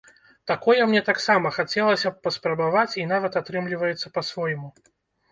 Такое мне таксама хацелася б паспрабаваць і нават атрымліваецца па-свойму.